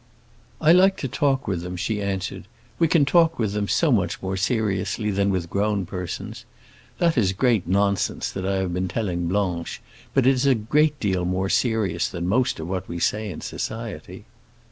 "I like to talk with them," she answered; "we can talk with them so much more seriously than with grown persons. That is great nonsense that I have been telling Blanche, but it is a great deal more serious than most of what we say in society."